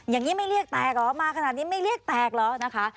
อย่างนี้ไม่เรียกแตกเหรอมาขนาดนี้ไม่เรียกแตกเหรอนะคะ